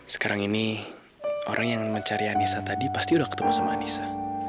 sekarang ini orang yang mencari anissa tadi pasti udah ketemu sama anissa